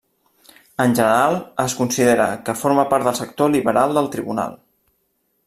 En general, es considera que forma part del sector liberal del tribunal.